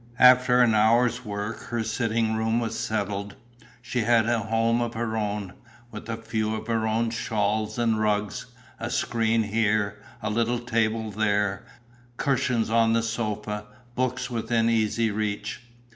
After an hour's work her sitting room was settled: she had a home of her own, with a few of her own shawls and rugs, a screen here, a little table there, cushions on the sofa, books within easy reach.